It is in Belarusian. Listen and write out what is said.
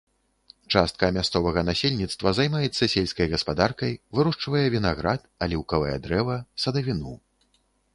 Частка мясцовага насельніцтва займаецца сельскай гаспадаркай, вырошчвае вінаград, аліўкавае дрэва, садавіну.